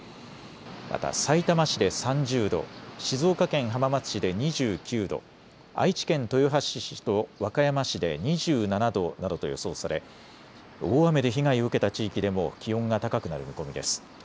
また、さいたま市で３０度、静岡県浜松市で２９度、愛知県豊橋市と和歌山市で２７度などと予想され大雨で被害を受けた地域でも気温が高くなる見込みです。